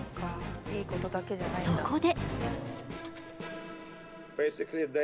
そこで。